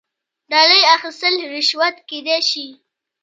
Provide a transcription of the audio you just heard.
ډالۍ اخیستل رشوت کیدی شي